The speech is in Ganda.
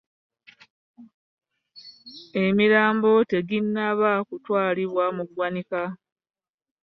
Emirambo teginnaba kutwalibwa mu ggwanika.